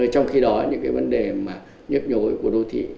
trong khi đó những vấn đề nhấp nhối của đô thị